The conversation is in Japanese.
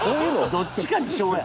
どっちかにしようや。